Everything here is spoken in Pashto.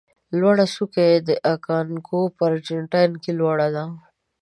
لوړه څوکه یې اکانکاګو په ارجنتاین کې لوړه ده.